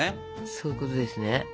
そういうことですね。